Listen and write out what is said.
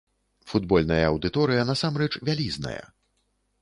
Футбольная аўдыторыя насамрэч вялізная.